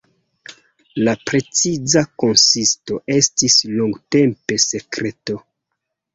La preciza konsisto estis longtempe sekreto.